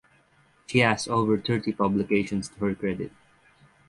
She has over thirty publications to her credit.